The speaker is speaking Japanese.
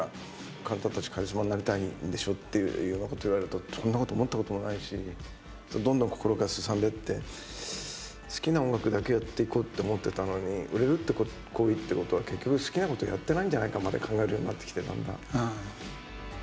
あんたたちカリスマになりたいんでしょっていうようなこと言われるとそんなこと思ったこともないしどんどん心がすさんでって好きな音楽だけやっていこうって思ってたのに売れるってことは結局好きなことやってないんじゃないかまで考えるようになってきてだんだん。